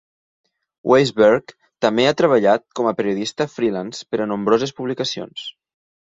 Weisberg també ha treballat com a periodista freelance per a nombroses publicacions.